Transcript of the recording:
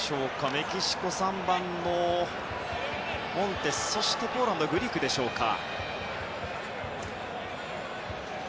メキシコは３番のモンテスそしてポーランドはグリクでしょうか。